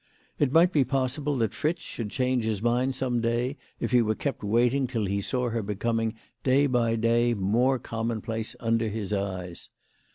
It might be possible that Fritz should change his mind some day, if he were kept waiting till he saw her be coming day by day more commonplace under his eyes.